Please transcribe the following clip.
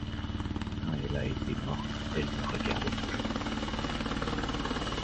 Quand elle a été morte, elle me regardait toujours...